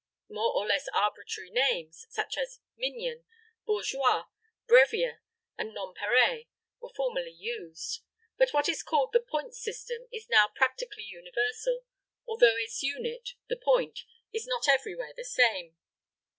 More or less arbitrary names such as minion, bourgeois, brevier, and nonpareil, were formerly used; but what is called the point system is now practically universal, although its unit, the "point," is not everywhere the same.